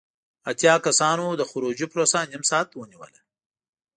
اتیا کسانو د خروجی پروسه نیم ساعت ونیوله.